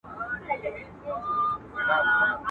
له مشرقه تر مغربه له شماله تر جنوبه.